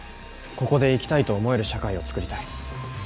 ここで生きたいと思える社会を作りたい。